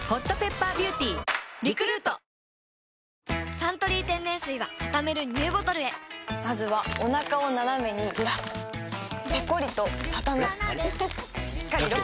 「サントリー天然水」はたためるＮＥＷボトルへまずはおなかをナナメにずらすペコリ！とたたむしっかりロック！